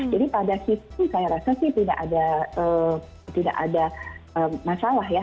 jadi pada sisi saya rasa sih tidak ada masalah ya